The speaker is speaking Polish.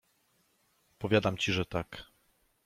- Powiadam ci, że tak.